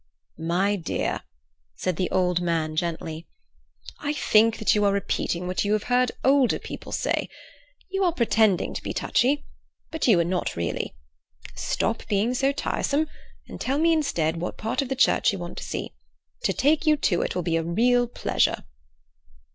"My dear," said the old man gently, "I think that you are repeating what you have heard older people say. You are pretending to be touchy; but you are not really. Stop being so tiresome, and tell me instead what part of the church you want to see. To take you to it will be a real pleasure."